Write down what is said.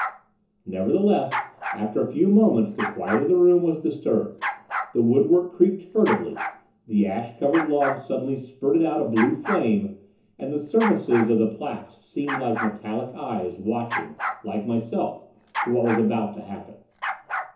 Nevertheless, after a few moments the quiet of the room was disturbed, the woodwork creaked furtively, the ash covered log suddenly spurted out a blue flame, and the surfaces of the plaques seemed like metallic eyes, watching, like myself, for what was about to happen.